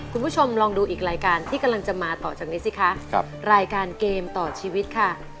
คุณผู้ชมลองดูอีกรายการที่กำลังจะมาต่อจากนี้สิคะรายการเกมต่อชีวิตค่ะ